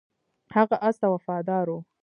هغه اس ته وفادار و.